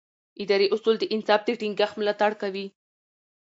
اداري اصول د انصاف د ټینګښت ملاتړ کوي.